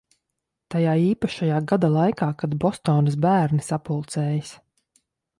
Tajā īpašajā gada laikā, kad Bostonas bērni sapulcējas.